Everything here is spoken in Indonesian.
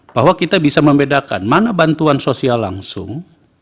bahwa kita bisa membedakan mana bantuan sosial langsung